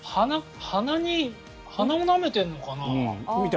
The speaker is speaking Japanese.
鼻もなめているのかな。